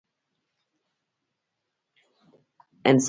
انسان د خپلو اعمالو مسؤول دی!